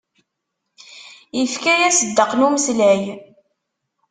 Ifka-yas ddeq n umeslay.